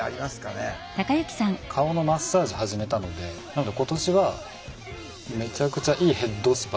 顔のマッサージ始めたのでなので今年はめちゃくちゃいいヘッドスパ。